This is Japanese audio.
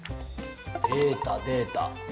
データデータ。